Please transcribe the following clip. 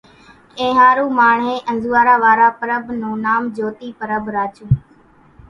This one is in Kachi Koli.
اينۿارُو ماڻۿين انزوئارا وارا پرٻ نون نام جھوتي پرٻ راڇون